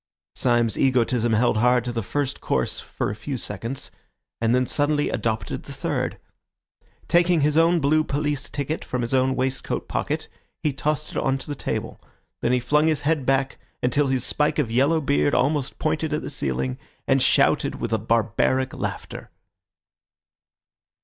Syme's egotism held hard to the first course for a few seconds, and then suddenly adopted the third. Taking his own blue police ticket from his own waist coat pocket, he tossed it on to the table; then he flung his head back until his spike of yellow beard almost pointed at the ceiling, and shouted with a barbaric laughter.